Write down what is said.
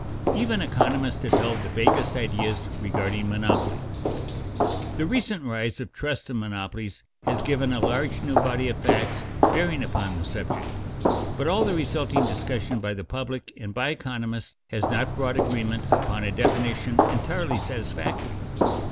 Even economists have held the vaguest ideas regarding monopoly. The recent rise of trusts and monopolies has given a large new body of facts bearing upon the subject, but all the resulting discussion by the public and by economists has not brought agreement upon a definition entirely satisfactory.